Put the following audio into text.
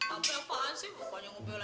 apaan sih bu banyak mobil aja